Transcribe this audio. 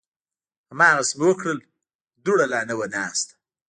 هماغسې مې وکړل، دوړه لا نه وه ناسته